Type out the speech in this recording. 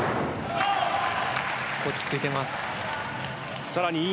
落ち着いています。